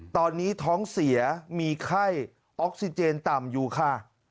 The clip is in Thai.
ตอนนี้ท้องเสียมีไข้ออกซิเจนต่ำอยู่ค่ะ